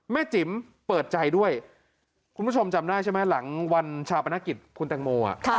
จิ๋มเปิดใจด้วยคุณผู้ชมจำได้ใช่ไหมหลังวันชาปนกิจคุณแตงโม